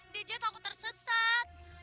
deja takut tersesat